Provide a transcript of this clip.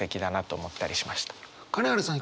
金原さん